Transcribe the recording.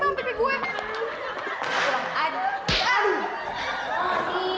ngapain lu ngapain sama temen gua